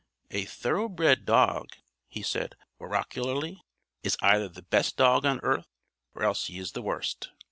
"A thoroughbred dog," he said oracularly, "is either the best dog on earth, or else he is the worst.